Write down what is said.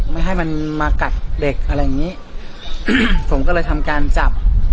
ไม่ให้มันมากัดเด็กอะไรอย่างงี้ผมก็เลยทำการจับ